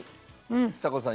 ちさ子さん